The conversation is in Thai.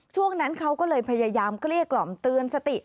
ช่วงนั้นเขาก็เลยพยายามเกลี้ยกล่อมเตือนสติ